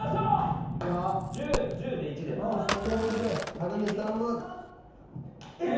高岸、頼む。